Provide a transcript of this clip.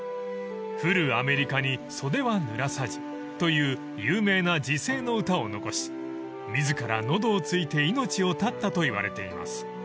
「ふるあめりかに袖はぬらさじ」という有名な辞世の詩を残し自ら喉を突いて命を絶ったと言われています］